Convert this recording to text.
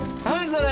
それ。